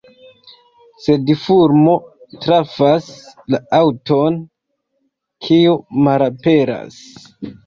Sed fulmo trafas la aŭton, kiu malaperas.